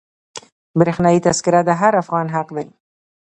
برښنایي تذکره د هر افغان حق دی.